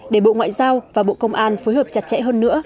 để bộ ngoại giao và bộ công an phối hợp chặt chẽ hơn nữa